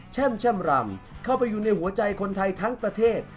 แช่มรำเข้าไปอยู่ในหัวใจคนไทยทั้งประเทศ